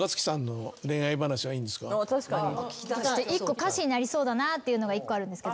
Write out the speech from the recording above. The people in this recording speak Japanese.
歌詞になりそうだなっていうのが１個あるんですけど。